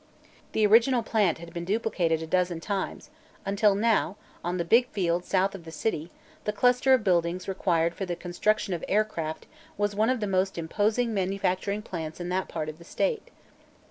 The original plant had been duplicated a dozen times, until now, on the big field south of the city, the cluster of buildings required for the construction of aircraft was one of the most imposing manufacturing plants in that part of the State.